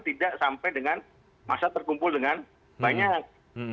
tidak sampai dengan masa terkumpul dengan banyak